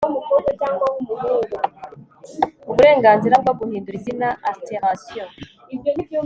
UBURENGANZIRA BWO GUHINDURA IZINA ALTERATION